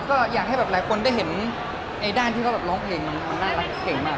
ก็อยากให้แบบหลายคนได้เห็นไอ้ด้านที่เขาแบบร้องเพลงมันน่ารักเก่งมาก